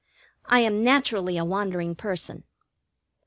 I am naturally a wandering person.